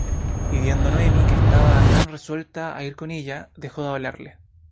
Y viendo Noemi que estaba tan resuelta á ir con ella, dejó de hablarle.